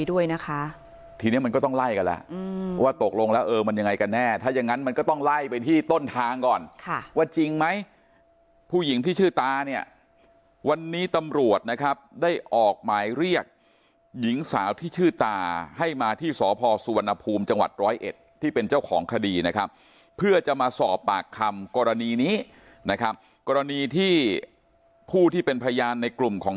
ด้วยนะคะทีนี้มันก็ต้องไล่กันแล้วว่าตกลงแล้วเออมันยังไงกันแน่ถ้ายังงั้นมันก็ต้องไล่ไปที่ต้นทางก่อนค่ะว่าจริงไหมผู้หญิงที่ชื่อตาเนี่ยวันนี้ตำรวจนะครับได้ออกหมายเรียกหญิงสาวที่ชื่อตาให้มาที่สพสุวรรณภูมิจังหวัดร้อยเอ็ดที่เป็นเจ้าของคดีนะครับเพื่อจะมาสอบปากคำกรณีนี้นะครับกรณีที่ผู้ที่เป็นพยานในกลุ่มของ